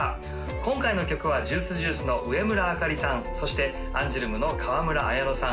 今回の曲はＪｕｉｃｅ＝Ｊｕｉｃｅの植村あかりさんそしてアンジュルムの川村文乃さん